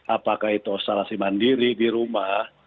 apakah itu isolasi mandiri di rumah